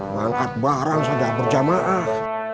mengangkat barang sudah berjamaah